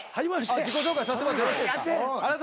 自己紹介させてもらってよろしいですか？